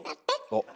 おっ。